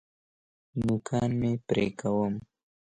نوکان مي پرې کوم .